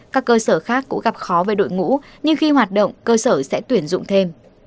các cơ sở khác cũng gặp khó về đội ngũ nhưng khi hoạt động cơ sở sẽ tuyển dụng thêm